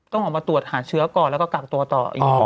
ต้องออกมาตรวจหาเชื้อก่อนแล้วก็กักตัวต่ออีก